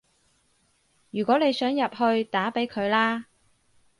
如果你想入去，打畀佢啦